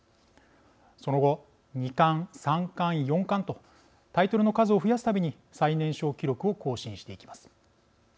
その後、二冠、三冠、四冠とタイトルの数を増やす度に最年少記録を更新していきます。